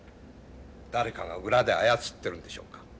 誰かが裏で操ってるんでしょうか？